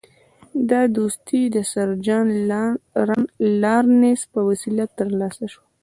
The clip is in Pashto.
دا دوستي د سر جان لارنس په وسیله ترلاسه شوه.